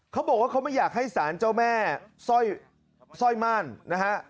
เขาบอกว่าเขาไม่อยากให้สารเจ้าแม่สร้อยม่านนะฮะ